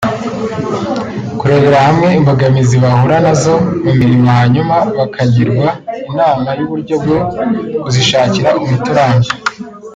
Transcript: kurebera hamwe imbogamizi bahura na zo mu mirimo; hanyuma bakagirwa inama y’uburyo bwo kuzishakira umuti urambye